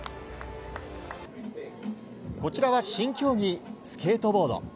こちらは新競技、スケートボード。